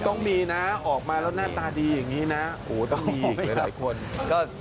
ต้องมีนะออกมาแล้วหน้าตาดีอย่างนี้นะโอ้โหต้องมีหลายคนก็